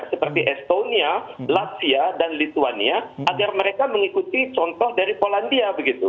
seperti estonia latsia dan lituania agar mereka mengikuti contoh dari polandia begitu